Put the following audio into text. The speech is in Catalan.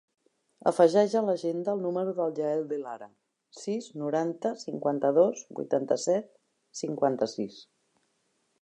Afegeix a l'agenda el número del Yael De Lara: sis, noranta, cinquanta-dos, vuitanta-set, cinquanta-sis.